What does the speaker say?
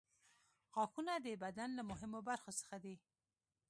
غاښونه د بدن له مهمو برخو څخه دي.